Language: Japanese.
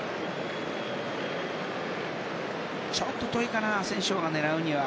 ちょっと遠いかなアセンシオが狙うには。